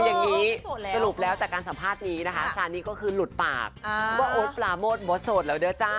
อย่างนี้สรุปแล้วจากการสัมภาษณ์นี้นะคะซานิก็คือหลุดปากว่าโอ๊ตปลาโมดหมดโสดแล้วเด้อจ้า